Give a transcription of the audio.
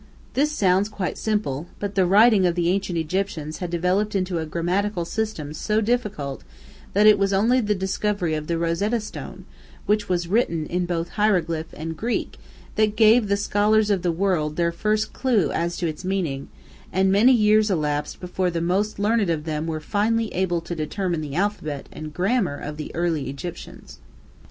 This sounds quite simple, but the writing of the ancient Egyptians had developed into a grammatical system so difficult that it was only the discovery of the Rosetta stone, which was written in both hieroglyph and Greek, that gave the scholars of the world their first clue as to its meaning, and many years elapsed before the most learned of them were finally able to determine the alphabet and grammar of the early Egyptians.